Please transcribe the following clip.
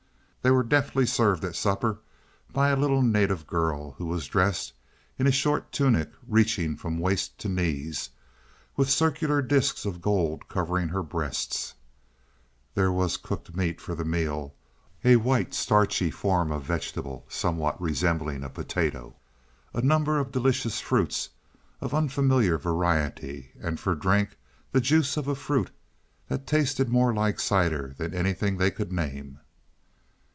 They were deftly served at supper by a little native girl who was dressed in a short tunic reaching from waist to knees, with circular discs of gold covering her breasts. There was cooked meat for the meal, a white starchy form of vegetable somewhat resembling a potato, a number of delicious fruits of unfamiliar variety, and for drink the juice of a fruit that tasted more like cider than anything they could name.